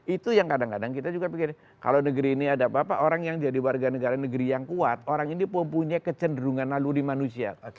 itu yang kadang kadang kita juga pikir kalau negeri ini ada apa apa orang yang jadi warga negara negeri yang kuat orang ini mempunyai kecenderungan lalu di manusia